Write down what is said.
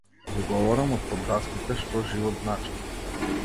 Ви говорам од под даските што живот значат!